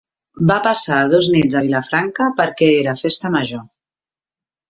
Va passar dos nits a Vilafranca perquè era festa major